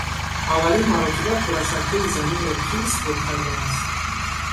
Аввалин маротиба курашаклии Заминро кӣ исбот кардааст?